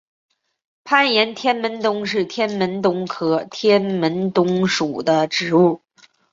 攀援天门冬是天门冬科天门冬属的植物。